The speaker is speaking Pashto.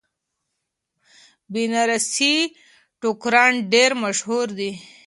بنارسي ټوکران ډیر مشهور دي.